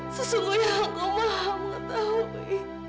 sesungguhnya aku maham ketahui